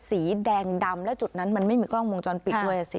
สีแดงดำและจุดนั้นมันไม่มีกล้องวงจรปิดด้วยสิ